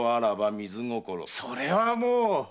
それはもう！